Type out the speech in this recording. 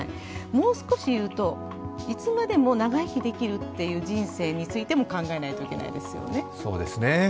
もう少し言うと、いつまでも長生きできるという人生についても考えないといけないですよね。